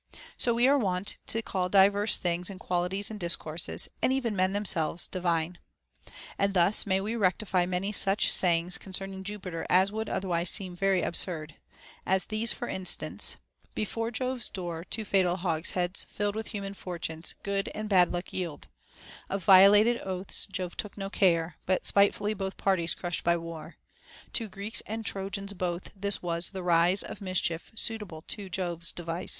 So we are wont to call divers things and qualities and discourses, and even men themselves, divine. And thus may we rectify many such sayings con cerning Jupiter as would otherwise seem very absurd. As these, for instance :— Before Jove's door two fatal hogsheads, filled With human fortunes, good and bad luck yield: — Of violated oaths Jove took no care, But spitefully both parties crushed by war: — To Greeks and Trojans both this was the rise Of mischief, suitable to Jove's device.